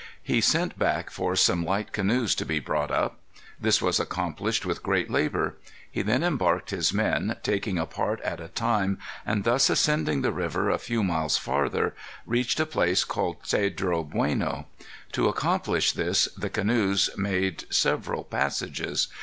He sent back for some light canoes to be brought up. This was accomplished with great labor. He then embarked his men, taking a part at a time, and thus, ascending the river a few miles farther, reached a place called Cedro Bueno. To accomplish this, the canoes made several passages.